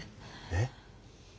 えっ⁉